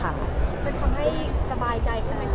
เป็นความให้สบายใจค่ะนะคะ